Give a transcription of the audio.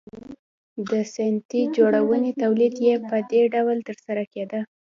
د ستنې جوړونې تولید یې په دې ډول ترسره کېده